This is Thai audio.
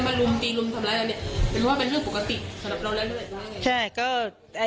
ไม่รู้ว่าเป็นเรื่องปกติสำหรับเราและเลือดยังไง